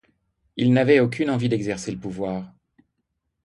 Il n'avait aucune envie d'exercer le pouvoir.